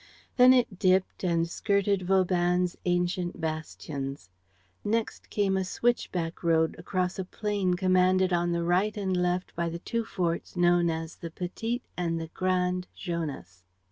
Then it dipped and skirted Vauban's ancient bastions. Next came a switchback road across a plain commanded on the right and left by the two forts known as the Petit and the Grand Jonas.